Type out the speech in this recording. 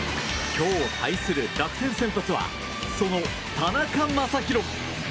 今日対する楽天先発はその田中将大。